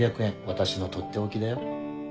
私のとっておきだよ。